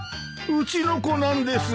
うちの子なんです。